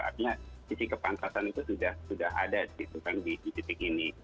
artinya sisi kepantasan itu sudah ada di titik ini